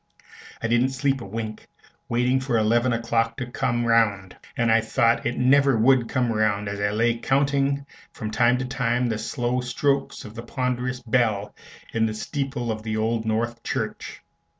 I didn't sleep a wink, waiting for eleven o'clock to come round; and I thought it never would come round, as I lay counting from time to time the slow strokes of the ponderous bell in the steeple of the Old North Church.